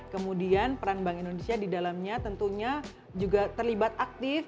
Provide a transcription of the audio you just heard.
kemudian peran bank indonesia di dalamnya tentunya juga terlibat aktif